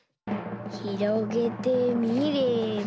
ひろげてみれば。